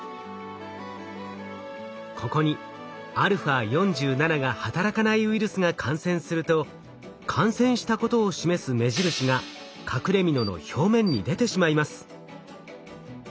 ここにα４７が働かないウイルスが感染すると感染したことを示す目印が隠れみのの表面に出てしまいます。